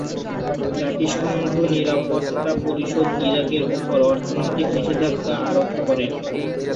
জাতিসংঘ নিরাপত্তা পরিষদ ইরাকের উপর অর্থনৈতিক নিষেধাজ্ঞা আরোপ করে।